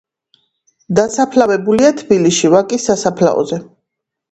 დასაფლავებულია თბილისში, ვაკის სასაფლაოზე.